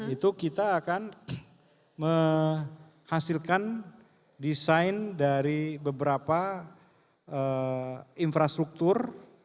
itu kita akan menghasilkan desain dari beberapa infrastruktur